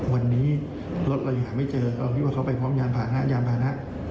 วันนี้รถเรายังหาไม่เจอเราคิดว่าเขาไปพร้อมยานพานะยานพานะ